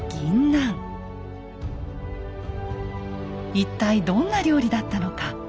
一体どんな料理だったのか。